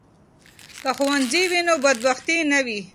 که ښوونځی وي نو بدبختي نه وي.